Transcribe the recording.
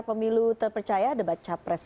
pemilu terpercaya debat capres